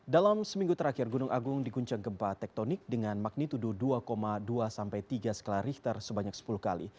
dalam seminggu terakhir gunung agung diguncang gempa tektonik dengan magnitudo dua dua sampai tiga skala richter sebanyak sepuluh kali